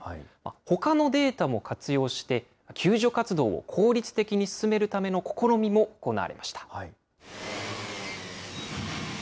ほかのデータも活用して、救助活動を効率的に進めるための試みも行われました。